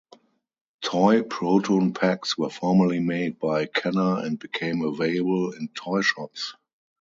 Toy proton packs were formerly made by Kenner and became available in toy shops.